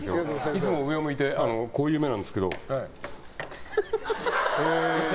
いつも上を向いてこういう目なんですけど。